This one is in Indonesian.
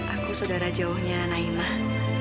aku saudara jauhnya naimah